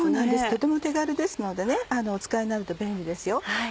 とても手軽ですのでお使いになると便利ですよ。